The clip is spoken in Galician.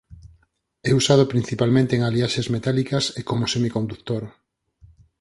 É usado principalmente en aliaxes metálicas e como semicondutor.